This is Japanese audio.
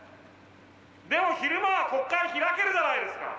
でも昼間は国会開けるじゃないですか。